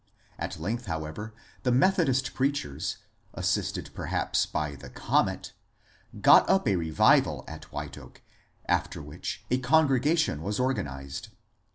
At length, however, the Methodist preachers — assisted, perhaps, by the comet — got up a revival at White Oak, after which a congregation was organized.